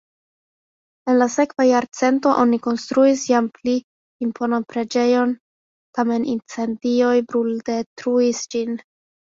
En la sekva jarcento oni konstruis jam pli imponan preĝejon, tamen incendioj bruldetruis ĝin.